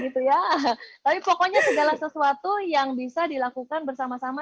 tapi pokoknya segala sesuatu yang bisa dilakukan bersama sama